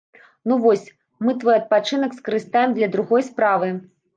Ну вось, мы твой адпачынак скарыстаем для другой справы.